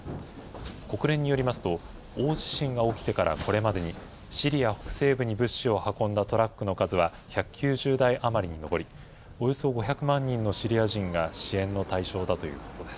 国連によりますと、大地震が起きてからこれまでにシリア北西部に物資を運んだトラックの数は１９０台余りに上り、およそ５００万人のシリア人が支援の対象だということです。